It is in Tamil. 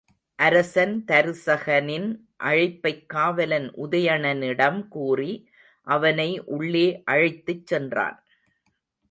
அரசன் தருசகனின் அழைப்பைக் காவலன், உதயணனிடம் கூறி, அவனை உள்ளே அழைத்துச் சென்றான்.